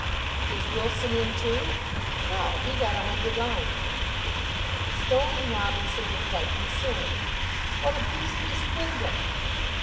"Is Wilson in too?" "No. He got a hundred lines." Stone and Robinson were quite concerned. "What a beastly swindle!"